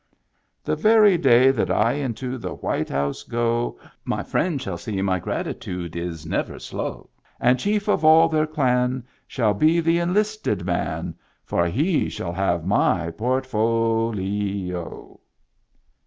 The very day that I into the White House go My friends shall see my gratitude is never slow ; And chief of all their clan Shall be the enlisted man, For he shall have my portofolee — O